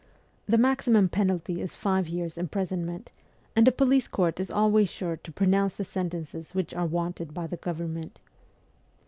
The maximum penalty is five years' imprison ment ; and a police court is always sure to pronounce the sentences which are wanted by the government.